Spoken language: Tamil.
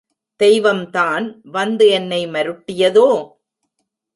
தெய்வம்தான் வந்து என்னை மருட்டியதோ?